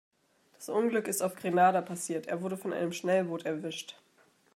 Das Unglück ist auf Grenada passiert, er wurde von einem Schnellboot erwischt.